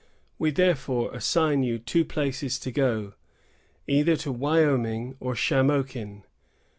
We therefore assign you two places to go, either to Wyoming or Shamokin.